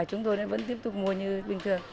chúng tôi vẫn tiếp tục mua như bình thường